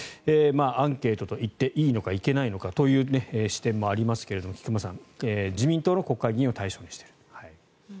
アンケートと言っていいのかいけないのかという視点もありますけれど菊間さん、自民党の国会議員を対象にしている。